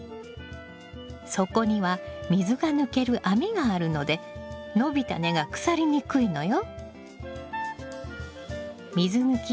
底には水が抜ける網があるので伸びた根が腐りにくいのよ。